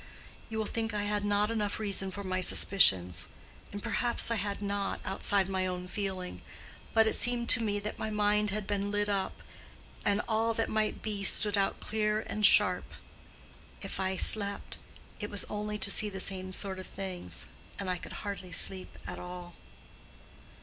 You will think I had not enough reason for my suspicions, and perhaps I had not, outside my own feeling; but it seemed to me that my mind had been lit up, and all that might be stood out clear and sharp. If I slept, it was only to see the same sort of things, and I could hardly sleep at all.